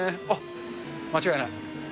間違いない。